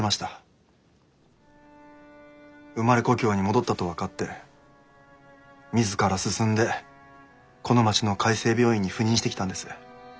生まれ故郷に戻ったと分かってみずから進んでこの町の海生病院に赴任してきたんです。